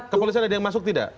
kepolisian ada yang masuk tidak